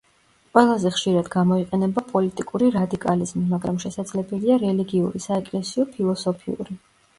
ყველაზე ხშირად გამოიყენება პოლიტიკური რადიკალიზმი, მაგრამ შესაძლებელია რელიგიური, საეკლესიო, ფილოსოფიური.